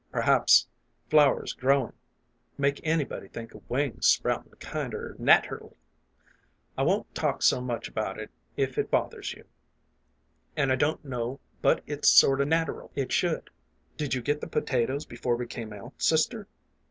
P'r'aps flowers growin' make anybody think of wings sproutin' kinder naterally. I won't talk so much about it if it bothers you, an' I don't know but it's sorter nateral it should. Did you get the potatoes before we came out, sister